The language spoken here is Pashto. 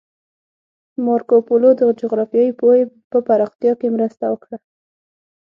مارکوپولو د جغرافیایي پوهې په پراختیا کې مرسته وکړه.